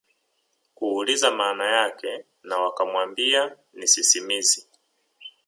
kuuliza maana yake na wakamwambia ni sisimizi